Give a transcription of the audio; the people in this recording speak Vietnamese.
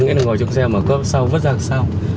nghĩa là ngồi trong xe mở cốp đằng sau vứt ra đằng sau